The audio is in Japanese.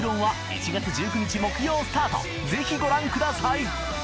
ぜひご覧ください